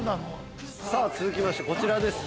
◆さあ、続きまして、こちらです。